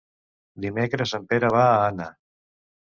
Dimecres en Pere va a Anna.